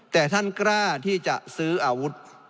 แต่ท่านกล้าที่จะซื้ออาวุธ